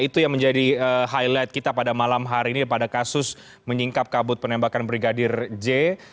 itu yang menjadi highlight kita pada malam hari ini pada kasus menyingkap kabut penembakan brigadir j